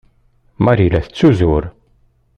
Marie la tettuzur.